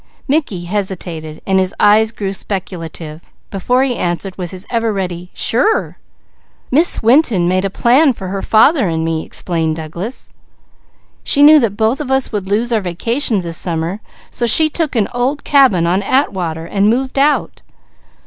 Mickey hesitated while his eyes grew speculative, before he answered with his ever ready: "Sure!" "Miss Winton made a plan for her father and me," explained Douglas. "She knew we would lose our vacations this summer, so she took an old cabin on Atwater, and moved out.